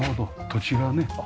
土地がね。